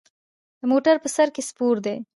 د موټر په سر کې سپور دی.